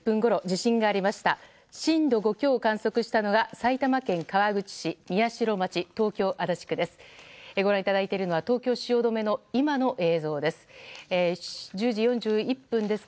震度５強を観測したのが埼玉県川口市宮代町、東京・足立区です。